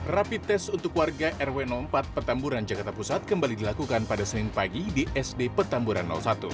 rapi tes untuk warga rw empat petamburan jakarta pusat kembali dilakukan pada senin pagi di sd petamburan satu